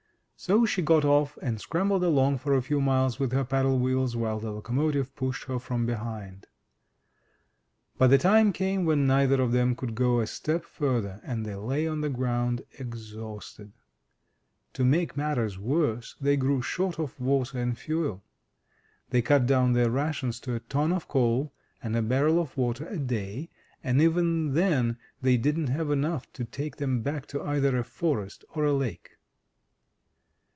So she got off and scrambled along for a few miles with her paddle wheels while the locomotive pushed her from behind. But the time came when neither of them could go a step further, and they lay on the ground exhausted. To make matters worse, they grew short of water and fuel. They cut down their rations to a ton of coal and a barrel of water a day, and even then they didn't have enough to take them back to either a forest or a lake.